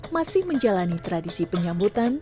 masih menjalani tradisi penyambutan